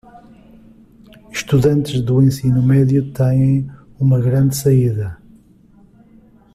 Estudantes do ensino médio têm uma grande saída